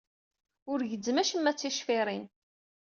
Ur gezzmeɣ acemma d ticfiṛin.